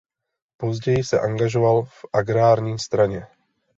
Později se angažoval v agrární straně.